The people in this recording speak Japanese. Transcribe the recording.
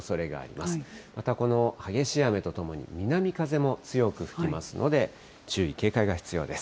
またこの激しい雨と共に、南風も強く吹きますので、注意、警戒が必要です。